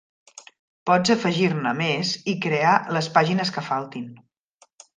Pots afegir-ne més i crear les pàgines que faltin.